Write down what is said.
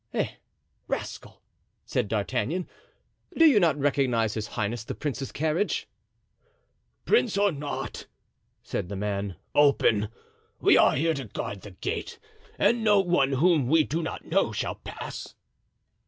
"Eh, rascal!" said D'Artagnan, "do you not recognize his highness the prince's carriage?" "Prince or not," said the man, "open. We are here to guard the gate, and no one whom we do not know shall pass."